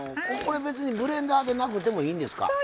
これ別にブレンダーでなくてもいいんですか？